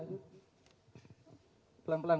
pelan pelan kalau ini